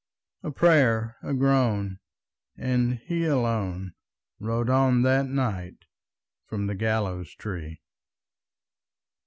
A prayer, a groan, and he alone Rode on that night from the gallows tree.